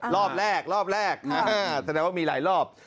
รอบแรกสำนักว่ามีหลายรอบ